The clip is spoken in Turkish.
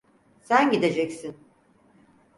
Sen gideceksin.